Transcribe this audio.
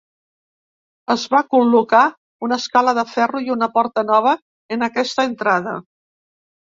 Es va col·locar una escala de ferro i una porta nova en aquesta entrada.